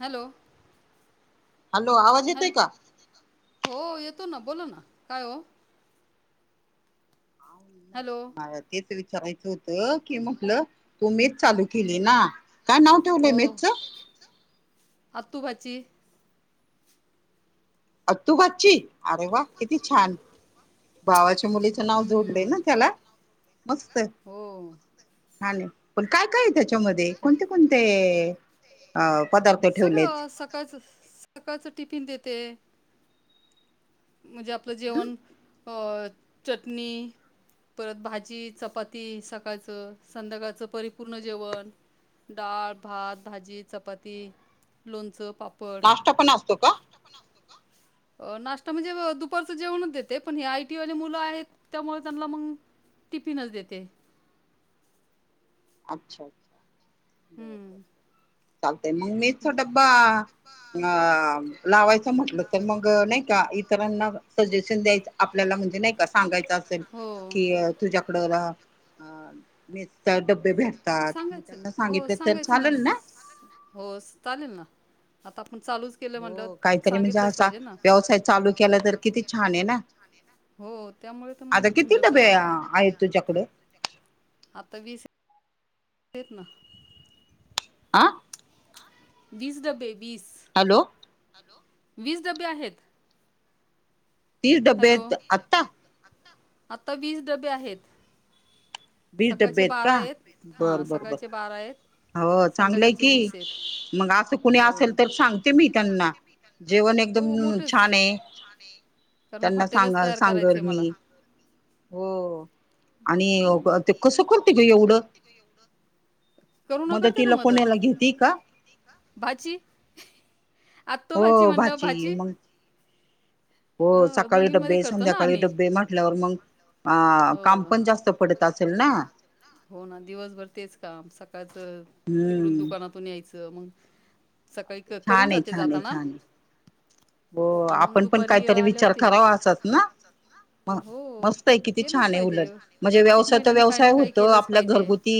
Hello.. hello! आवाज येतय hello का? हो.. येतो ना बोला ना, काय हो? हॅलो! आग तेच विचारायचं होतं की म्हटलं तू मेस चालू केली ना काय नाव ठेवलंय मेसच? आतुभाची आत्तू भाची अरे वा किती छान! भावाच्या मुलीचं नाव जोडलेय हम्म ना त्याला मस्त हो छाने. पण काय काय त्याच्यामध्ये का कोणते कोणते अ पदार्थ ठेवलेत? सगळं सकाळचं ससस सकाळचं टिफिन देते. म्हणजे आपलं हम्म, जेवण अ चटणी परत भाजी चपाती सकाळचं संध्याकाळचं परिपूर्ण जेवण डाळ, भात, भाजी, चपाती, लोणचं, पा नाश्ता पण असतो का नाश्ता पण असतो का? म्हणजे दुपारचं जेवणच देते पण हे आयटी वाले मुलं आहेत त्यामुळे त्यांनला मंग टिफिनच देते. अच्छा अच्छा हम्म चालतयं मंग मेस चा मग डब्बा अ लावायचा म्हटलं तर मग नाही का इतरांना सजेशन द्यायचं आपल्याला म्हणजे नाही का सांगायचं असेल कि का तुझ्याकडं राहा मेसचा डब्बे भेटतात मी सांगायचं त्यांना आपण सांगायचं हो सांगितले तर सांगायचं चालल ना? हो चालेल ना, आता आपण चालूच केलं हो म्हणल्यावर काहीतरी म्हणजे सांगितलंच असा पाहिजे ना व्यवसाय चालू केला तर किती छान आहे ना हो त्यामुळे तर आता मग म्हटलं चला अ आता वीस आ हेत ना आं वीस डब्बे वीस हॅलो वीस डब्बे आहेत. तीस डब्बे हॅलो, आहेत आत्ता आता वीस डबे आहेत. बीस डबे सकाळचे आहेत बारा का? आहेत बर हां बर बर सकाळचे बारा आहेत हो चांगलंय संध्याकाळचे की वीस आहेत मग असं कुणी हो असेल तर सांगते मी त्यांना जेवण एकदम हो मोठेच छान हे. कारण त्यांना हॉटेलच सांगा तयार सांगल करायचे मला मी हो आणि हं. ते कसं करती ग एवढं, करुणा करते ना मदतीला मदत कोणाला घेती का? भाची आत्तू भाची हो म्हणल्यावर भाची मग हो सकाळी दोघींमध्ये डबे करतो ना संध्याकाळी आम्ही डबे म्हल्यावर मग आ काम हो पण जास्त पडत असेल ना? हो ना दिवसभर तेच काम सकाळचं तिकडून हम्म दुकानातून यायचं मग सकाळी क करून छान आहे जाते छान आहे जाताना. छान आहे हो आणि मग आपण पण दुपारी काहीतरी आले विचार होते करावा असाच ना म हो मस्त आहे किती छान केलंच आहे पाहिजे उलट म्हणजे प्रत्येक व्यवसाय तर महिलाने काही व्यवसाय ना काही होतो केलंच आपला पाहिजे घरगुती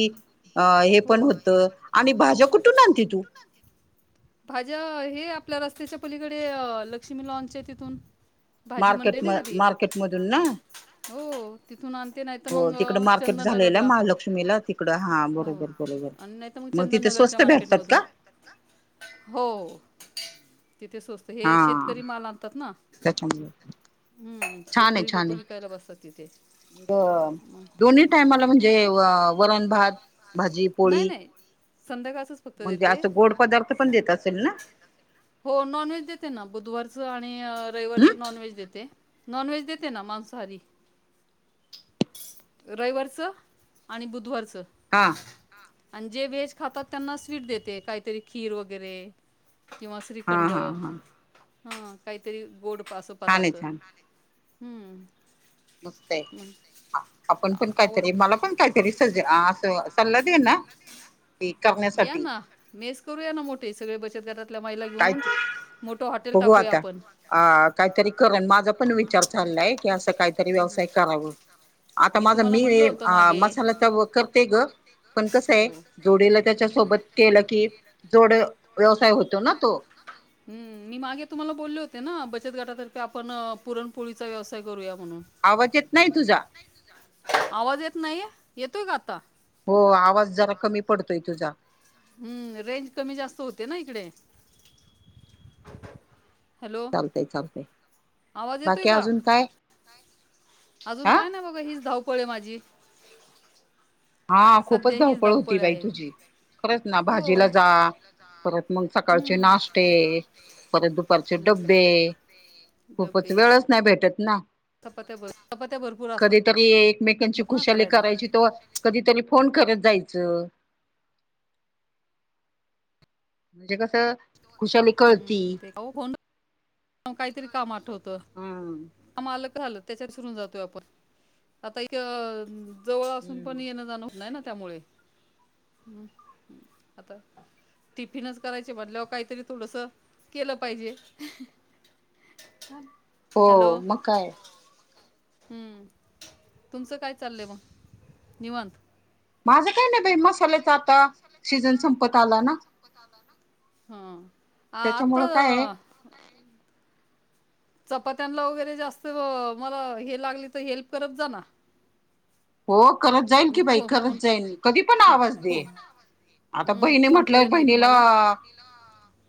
अ हे हो. पण अ, होतं, आणि भाज्या कुठून आणती तू? भाज्या हे आपलं रस्त्याच्या पलीकडे लक्ष्मी लॉनच्या तिथून. भाजी मार्केट मंडई नाही म का ती असंच मार्केटमधून ना ना. हो तिथून आणते नाही तर हो मग तिकडं अ, मार्केट झालय ना चंदननगरला महालक्ष्मीला तिकडं हा हो बरोबर हा, बरोबर आणि नाही तर मग तिथं चंदननगरच्या स्वस्त भेटतात मार्केटमधून का? स्वस्त हो तिथे स्वस्त हे हा शेतकरी माल आणतात ना. त्याच्यामुळे हम्म शेतकरी लोक विकायला बसतात तिथे. बरं दोन्ही टायमाला म्हणजे वरण भात भाजी पोळी संध्याकाळचं मग असं गोड पदार्थ पण देत असेल ना? हो नॉनव्हेज देते ना बुधवारचं आणि हम् रयवारचं नॉनव्हेज देते. नॉनवेज देते ना मांसाहारी रयवारचं आणि बुधवारचं हां आणि जे व्हेज खातात त्यांना स्वीट देते काहीतरी खीर वगैरे किंवा हा श्रीखंड हा हा काहीतरी गोड असं छान आहे पदार्थ छान हम्म नुसतय मग आपण पण आवड काहीतरी मला पण कायत विसर्ज अस सल्दे ना की या करण्यासाठी ना मेस करू या ना मोठे सगळे बचत गटातल्या मयला काय घेऊन मोठं हॉटेल बघू टाकूया आता आपण अ काहीतरी करण माझा पण विचार चाललाय की असं काहीतरी व्यवसाय कराव आता माझा तुम्हाला मी म्हणलं आहे होतं मागे मसाला तर करतेय ग पण कसं आहे हो जोडीला त्याच्या सोबत केलं कि जोड व्यवसाय होतो ना तो ह् मी मागे तुम्हाला बोलले होते ना बचत गाटातर्फे आपण पुरणपोळीचा व्यवसाय करूया म्हणून आवाज येत नाही तुझा आवाज येत नाहीये येतोय का आता हो आवाज जरा कमी पडतोय तुझा ह् रेंज कमी जास्त होते ना इकडे हलो बाकी का अजून काय अजून हा काय नाही बघा हीच धावपळ आहे माझी हा खूपच सध्या हीच धावपळ होती बाई आहे तुझी खरंच ना हो भाजीला जा परत मग सकाळचे हम्म नाश्ते परत दुपारचे डबे डब वेळच नाही भेटत ना प्या चप्या भरपूर असतात तरी एकमेकांची ना खुशाली करायला करायची त कधीतरी फोन करत जायचं म्हणजे कसं खुशाली कळती हो कोण मग काहीतरी काम आठवतं हम आ मा आलक झालं त्याच्यात सुरून जातोय आपण आता एक जवळ असून पण हम्म येणं जाण होत नाही ना त्यामुळे ह आता टिफिनच करायचे म्हटल्यावर काहीतरी थोडस केलं पाहिजे हो हॅलो मग काय हम्म तुमचं काय चाललंय मग निवांत माझं काही नाही बाई मसाल्याच आता सीजन संपत आला ना हम आता त्याच्यामुळं काय आहे. चपात्यांला वगैरे जास्त मला हे लागले तर हेल्प करत जाना हो करत जाईल की बाई हो फो करत जाईल कधी पण करत आवाज दे आता फोन जाईल कर की बाई, करत फो जाईल. कधी फो पण आवाज दे. हं, बहिणी फोन म्हटलं करेन मी पहिले बहिणीला तुम्हाला कुठल्याही बहिणीला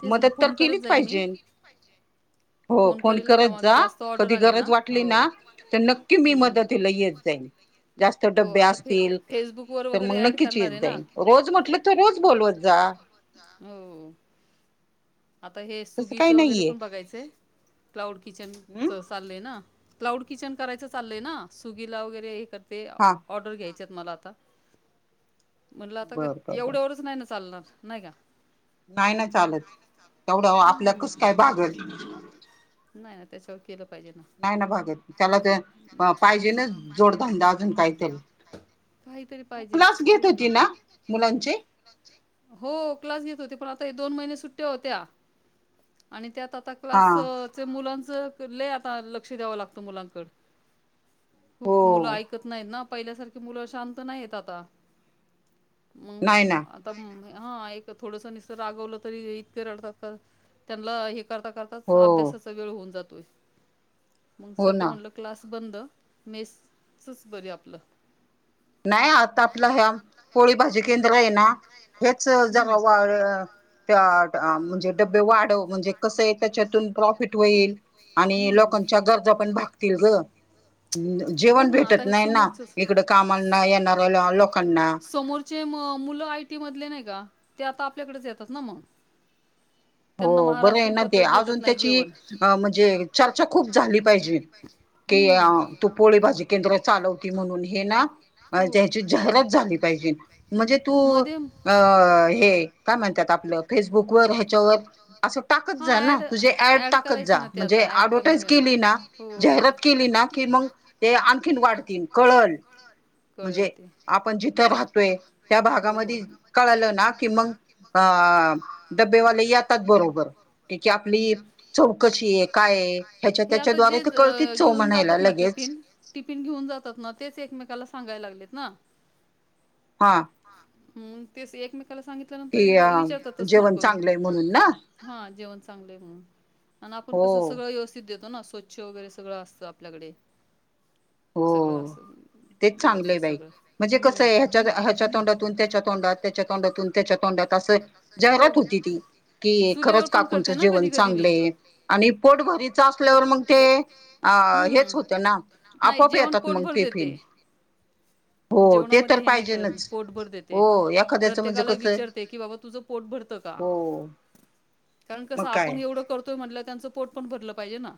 तेच ना फोन करत जाईन मी ह हो फोन करेल करत तेव्हा जा जास्त ऑर्डर कधी आले गरज ना वाटली काही हो ना गरज वाटली तर ना, नक्की मी हं. त्यांना मदतीला येत जाईन जास्त हो डबे आता फे जास्त डब्बे असतील बिब्बे फेसबुकवर तर वगैरे मग ॲड नक्कीच येत करणार आहे ना जाईन केले रोज म्हटलं तर रोज बोलवत जा ना हो आता हे तसं काही सुगीचं वगैरे नाहीये पण बघायचंय क्लाउड हम् किचनचं चाललंय ना क्लाउड किचन करायचं चाललंय ना हा र्डर घ्यायचे मला आता म्हटलं आता बर बर बर एवढ्यावरच नाही ना चालणार नाही का नाही ना चालत तेवढं आपल्याकच काय भागत नाही नाही त्याच्या केलं पाहिजे ना नाही ना भागत त्याला तर पाहिजे ना जोडधंदा अजून काहीतरी काहीतरी तू पाहिजेच क्लास घेत तेच होती नाता ना मुलांचे हो. क्लास घेत होते पण आता दोन महिने सुट ट्या होत्या आणि त्यात आता हा क्लास च मुलाचं लय आता लक्ष द्यावं लागत मुलांकड. हो खूप मुलं आयक त नाही ना पहिल्यासारखी मुलं शांत नाही आता. म नाही ना पण हा एक थोडसं निसत रागवलं तरी इतके रडतात त्यांनला हे करता करता कसं हो अभ्यासाचा वेळ होऊन जातोय. मग हो सध्या ना म्हणलं क्लास बंद. मेसच बरी आपलं नाही आता आपल्या ह्या पोळी भाजी केंद्र आहे ना हेच जरा हम्म वाळ त्यात म्हणजे डबे वाढव म्हणजे कसं आहे त्याच्यातून प्रॉफिट होईल. आणि हम्म. लोकांच्या गरजा पण भागतील ग. हो जेवण ना भेटत आता हे नाही ना समोरचच इकडं कामांना येणाऱ्या लो लोकांना. समोरचे म मुलं आयटी मधले नाही का ते आता आपल्याकडेच येतात ना म. हो. बरं आहे ना ते पद्धत भेटत अजून नाही त्याची जेवण. म्हणजे चर्चा खूप झाली पाहिजे. के आ हम्म. तू पोळी, भाजी केंद्र चालवती म्हणून हे ना आज हो. ह्याची जाहिरात झाली पाहिजे. म्हणजे तू अ हे काय म्हणतात आपलं फेसबुकवर ह्याच्यावर असं टाकत जा हा ना. ऍड तुझे ॲड ऍड टाकत करायची जा ना ते म्हणजे आता ऍड करणार ॲडवटायज आहे केली ना हो. जाहिरात केली ना की मग ते आणखीन वाढतील कळलं. म्हणजे कळेल ते. आपण जिथं राहतोय त्या हो हो. भागामध्ये कळालं ना की मग हा डबेवाले यात येतात बरोबर. कॅफीन आहे चौकशी काय आहे. ह्याच्या हे आता त्याच्याद्वारे जे तर कळतीच चव घेऊन म्हणायला जातात ना लगेच टिफिन टिफिन घेऊन जातात ना तेच एकमेकाला सांगायला लागलेत ना. हा. हा तेच एकमेकाला सांगितल्यानंतर कि अ विचारतातच फोन जेवण करून. चांगलंय म्हणून ना हा जेवण चांगलं आहे म्हणून. आण आपण हो कसं सगळं व्यवस्थित देतो ना स्वच्छ स्वच्छ वगैरे सगळं असतं आपल्याकडे. सगळं अस चांगलय बाई. म्हणजे कसं ह्या ह्याच्या तोंडातून त्याच्या तोंडात त्याच्या तोंडातून त्याच्या तोंडात असं जाहिरात होती ती. हो की चुलीवर खरंच पण काकूंचं करते ना जेवण कधी कधी मी. चांगलय आणि पोटभरीच असल्यावर मग ते अ हेच हम्म होतं ना नाही आपोआप जेवण येतात मग पोटभर टिफिन. देते. हो ते तर जेवणामध्ये हे नाही करत मी पाहिजेनच पोटभर देते. हो एखाद्याचं म्हणजे प्रत्येकाला कसं विचारते की बाबा तुझं पोट भरत का? हो कारण मग कसं आपण काय एवढं कर तो म्हंटला त्यांचं पोट पण भरलं पाहिजे ना.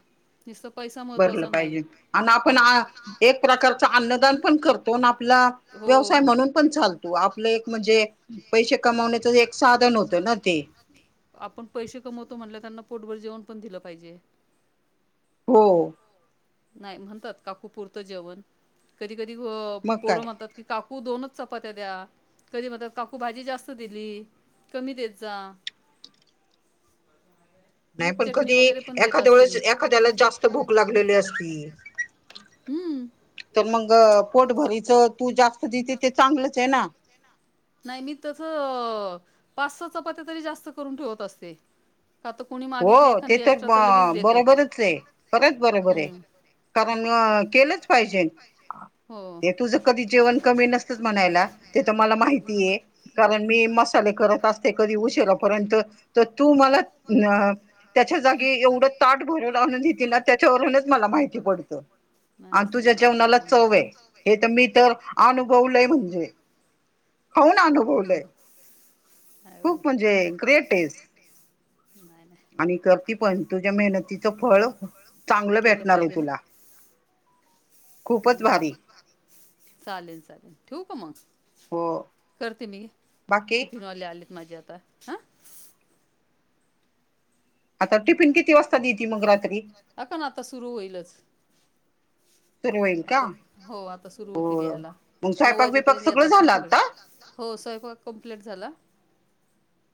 निसत पैसा म्ह भरलं पाहिजे. आण आपण आ एक प्रकारच अन्नदान पण करतो ना. आपला हो व्यवसाय मग म्हणून पण चालतो. आपलं एक म्हणजे पैसे कमावण्याचं एक साधन होतं ना ते. आपण पैसे कमवतो म्हणलं त्यांना पोटभर जेवण पण दिलं पाहिजे. हो. नाही म्हणतात काकू पुरतं जेवण. कधी कधी मग काय पोरं म्हणतात की काकू दोनच चपात्या द्या. कधी म्हणतात काकू भाजी जास्त दिली. कमी देत जा. [inaudible] नाही. पण चटणी कधी वगैरे पण देत एखाद्या असते मी. वेळेस एखाद्याला जास्त भूक लागलेली असती. हम्म. तर मग पोटभरीच तू जास्त देती ते चांगलंच आहे ना. नाही. मी तसं पाच, सहा चपात्या तरी जास्त करून ठेवत असते. का तर कोणी हो मागितली ते एखादी तर एक्स्ट्रा ब लगेच देते. बरोबरच आहे. खरंच बरोबर आहे. हम्म. कारण केलंच कारण पाहिजे. हो. ते तुझं कधी जेवण कमी नसतच म्हणायला. ते तर मला माहितीये. कारण मी मसाले करत असते कधी उशिरापर्यंत तर तू मला अ- त्याच्या जागी एवढं ताट भरून आणून देती ना? त्याच्यावरूनच मला माहिती पडतं. नाही आणि असत तुझ्या ना. जेवणाला चव आहे हे तर मी तर अनुभवलंय म्हणजे. खाऊन हम्म अनुभवलय. नाही ओ खूप म्हणजे ग्रेटयेस. नाही नाही. पण तुझ्या मेहनतीचं फळ चांगलं केलं भेटणार आहे पाहिजे ना? तुला खूपच हम्म. भारी चालेल चालेल. ठेवू का मग? हो. करते मी. बाकी टिफिनवाले आलेत माझे आता हा. आता टिफिन किती वाजता देती मग- रात्री आता ना आता सुरू होईलच. सुरू होईल का आता, हो आता सुरु होतील हो यायला. मग नऊ स्वयंपाक बिपाक वाजेपर्यंत सगळं येतात ना झालं सगळे. आता हो. स्वयपाक कम्प्लीट झाला.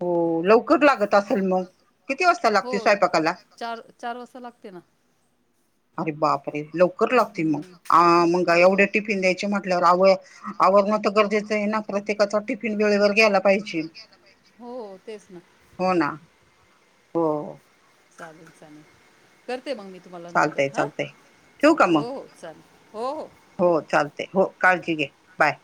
हो लवकर असेल लागत मग असेल किती मग? वाजता हो. लागते स्वयंपाकाला चार चार वाजता लागतोय ना. अरे बापरे! लवकर लागते मग. हम्म, अ. मंग लवकर एवढे टिफिन द्यायचे म्हटल्यावर, आव आवरणं तर गरजेचं आहे ना? प्रत्येकाचा टिफीन- फिन वेळेवर गेला पाहिजे. हो तेच ना हो ना. हो. चालेल चालेल. करते मग मी तुम्हाला नंतर चालतय हा. चालतय ठेवू का हो. मग हो. चालेल. हो हो. हो. चालतय. हो काळजी घे बाय.